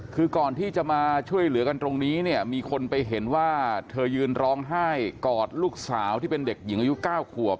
คือก่อนที่จะมาช่วยเหลือกันตรงนี้เนี่ยมีคนไปเห็นว่าเธอยืนร้องไห้กอดลูกสาวที่เป็นเด็กหญิงอายุ๙ขวบ